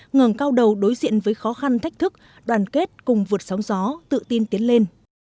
ngừng cao đầu đối diện với khó khăn thách thức đoàn kết cùng vượt sóng gió tự tin tiến lên